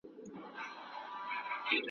د ښادي د ځواني میني دلارام سو !.